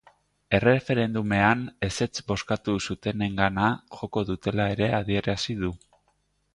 Erreferendumean ezetz bozkatu zutenengana joko dutela ere adierazi du.